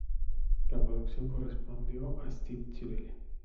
La producción correspondió a Steve Tyrell.